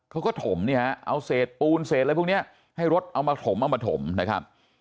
เขาก็ถมเนี่ยฮะเอาเศษปูนเศษอะไรพวกนี้ให้รถเอามาถมเอามาถมนะครับ